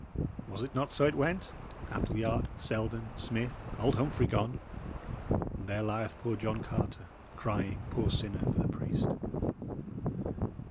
Was it not so it went? Appleyard, Selden, Smith, old Humphrey gone; and there lieth poor John Carter, crying, poor sinner, for the priest."